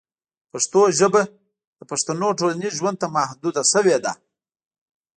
پښتو ژبه د پښتنو ټولنیز ژوند ته محدوده شوې ده.